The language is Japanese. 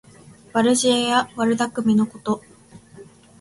悪知恵や悪だくみのこと。